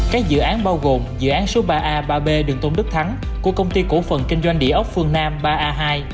các dự án bao gồm dự án số ba a ba b đường tôn đức thắng của công ty cổ phần kinh doanh địa ốc phương nam ba a hai